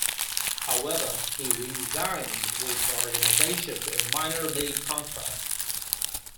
However, he re-signed with the organization to a minor league contract.